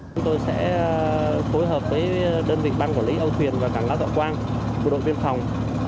chúng tôi sẽ phối hợp với đơn vịnh bang quản lý âu thuyền và cảng lá tọa quang của đội tuyên phòng